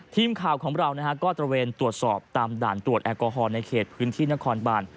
ทีมข่าวของเราก็ตระเวนตรวจสอบตามด่านตรวจแอลกอฮอลในเขตพื้นที่นครบาน